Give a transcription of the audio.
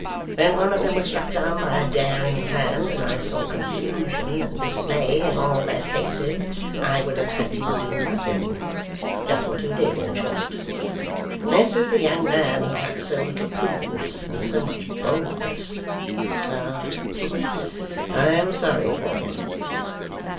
When one of them was struck down by a daring hand, and I saw confusion and dismay in all their faces, I would have had you do nothing just what you did, in short. This is the young man who had so little prudence and so much boldness. Ah! I am sorry for him.